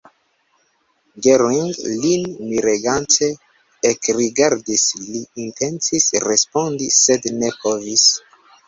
Gering lin miregante ekrigardis; li intencis respondi, sed ne povis.